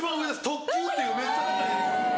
特級っていうめっちゃ高いやつ。